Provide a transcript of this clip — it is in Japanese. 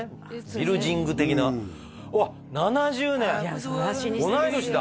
ビルヂング的なわっ１９７０年同い年だ！